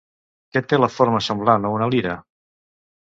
Que té la forma semblant a una lira.